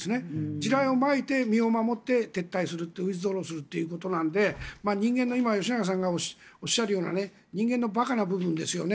地雷をまいて、身を守って撤退するということなので人間の今、吉永さんがおっしゃるような人間の馬鹿な部分ですよね。